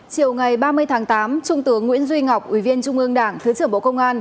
chiều ngày ba mươi tháng tám trung tướng nguyễn duy ngọc ủy viên trung ương đảng thứ trưởng bộ công an